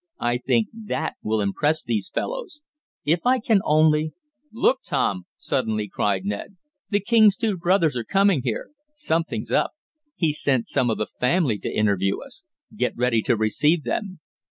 I think that will impress these fellows. If I can only " "Look, Tom!" suddenly cried Ned. "The king's two brothers are coming here. Something's up. He's sent some of the family to interview us. Get ready to receive them."